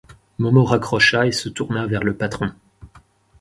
Momo raccrocha et se tourna vers le patron.